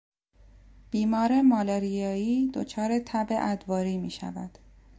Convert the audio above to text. بیمار مالاریایی دچار تب ادواری میشود.